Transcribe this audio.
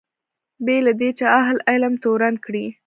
بې له دې چې اهل علم تورن کړي.